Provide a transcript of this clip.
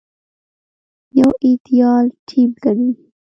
يو ايديال ټيم ګڼي.